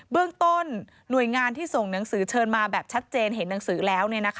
เรื่องต้นหน่วยงานที่ส่งหนังสือเชิญมาแบบชัดเจนเห็นหนังสือแล้ว